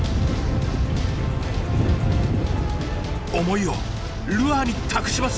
思いをルアーに託します。